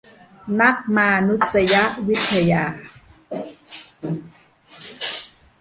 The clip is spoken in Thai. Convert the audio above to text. นักมานุษยวิทยา